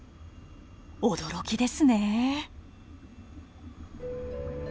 驚きですね。